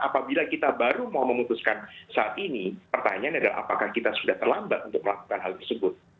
apabila kita baru mau memutuskan saat ini pertanyaan adalah apakah kita sudah terlambat untuk melakukan hal tersebut